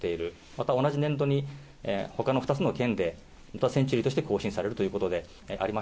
また同じ年度に、ほかの２つの県でセンチュリーとして更新されるということであり